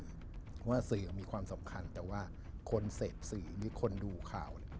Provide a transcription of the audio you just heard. เพราะว่าสื่อมีความสำคัญแต่ว่าคนเสพสื่อหรือคนดูข่าว